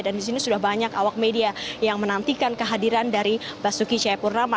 dan di sini sudah banyak awak media yang menantikan kehadiran dari basuki cayapurnama